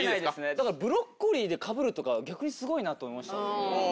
だからブロッコリーでかぶるとか逆にすごいなと思いました。